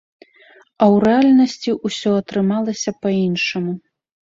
А ў рэальнасці ўсё атрымалася па-іншаму.